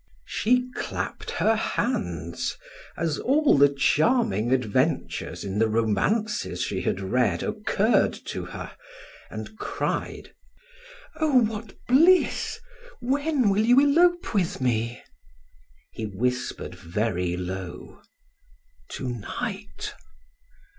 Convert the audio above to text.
She clapped her hands, as all the charming adventures in the romances she had read occurred to her, and cried: "Oh, what bliss! When will you elope with me?" He whispered very low: "To night!"